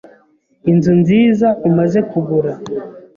inzu nziza umaze kugura,